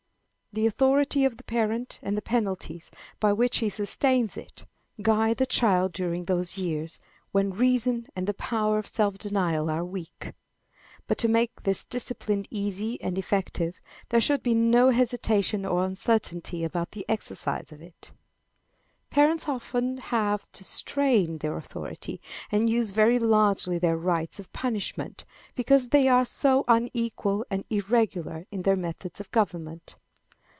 The authority of the parent and the penalties by which he sustains it, guide the child during those years when reason and the power of self denial are weak. But to make this discipline easy and effective, there should be no hesitation or uncertainty about the exercise of it. Parents often have to strain their authority, and use very largely their right of punishment, because they are so unequal and irregular in their methods of government.